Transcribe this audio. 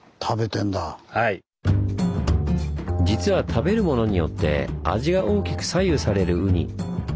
実は食べるものによって味が大きく左右されるウニ。